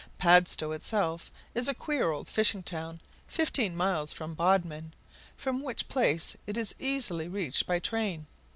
Padstow itself is a queer old fishing town, fifteen miles from Bodmin, from which place it is easily reached by train.